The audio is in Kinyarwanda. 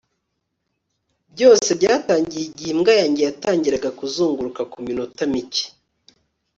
byose byatangiye igihe imbwa yanjye yatangiraga kuzunguruka ku minota mike